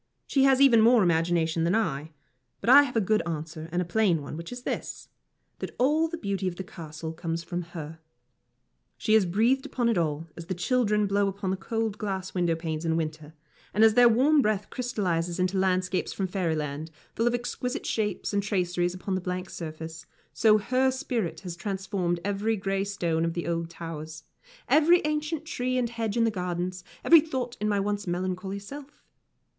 She has even more imagination than I. But I have a good answer and a plain one, which is this that all the beauty of the Castle comes from her. She has breathed upon it all, as the children blow upon the cold glass window panes in winter; and as their warm breath crystallises into landscapes from fairyland, full of exquisite shapes and traceries upon the blank surface, so her spirit has transformed every grey stone of the old towers, every ancient tree and hedge in the gardens, every thought in my once melancholy self.